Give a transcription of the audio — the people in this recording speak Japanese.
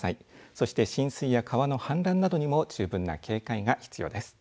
そして浸水や川の氾濫などにも十分な警戒が必要です。